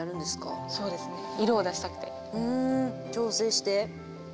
調整して？